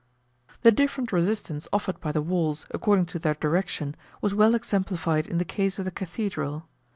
The different resistance offered by the walls, according to their direction, was well exemplified in the case of the Cathedral.